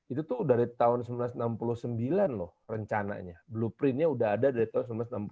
itu tuh dari tahun seribu sembilan ratus enam puluh sembilan loh rencananya blueprintnya udah ada dari tahun seribu sembilan ratus enam puluh